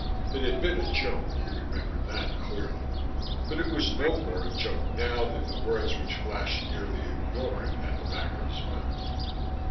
It had been a joke, he remembered that clearly, but it was no more a joke now than the words which flashed nearly ignored at the back of his mind.